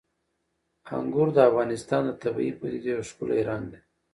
انګور د افغانستان د طبیعي پدیدو یو ښکلی رنګ دی.